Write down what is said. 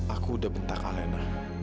aku udah bentak alena